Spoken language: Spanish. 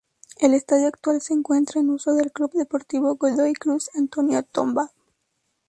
El estadio actual se encuentra en uso del Club Deportivo Godoy Cruz Antonio Tomba.